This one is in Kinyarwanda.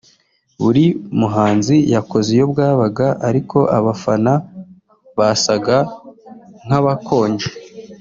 Buri muhanzi yakoze iyo bwabaga ariko abafana basaga nk’abakonje